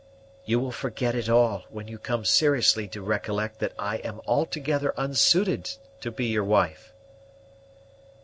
"You will forget it all, when you come seriously to recollect that I am altogether unsuited to be your wife."